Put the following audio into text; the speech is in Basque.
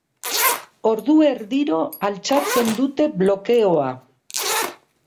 Ordu erdiro altxatzen dute blokeoa.